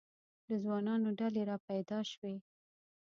د ځوانانو ډلې را پیدا شوې.